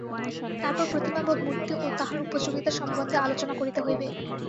তারপর প্রতিমা বা মূর্তি ও তাহার উপযোগিতা সম্বন্ধে আলোচনা করিতে হইবে।